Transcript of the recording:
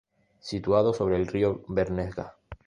Situado sobre el río Bernesga.